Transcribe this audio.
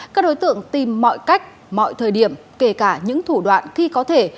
các đối tượng tìm mọi cách mọi thời điểm kể cả những thủ đoạn khi có thể